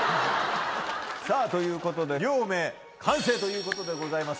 さあ、ということで、両名完成ということでございます。